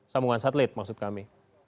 sambungan satelit maksud kami